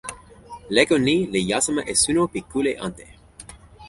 leko ni li jasima e suno pi kule ante.